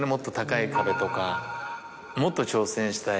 もっと挑戦したい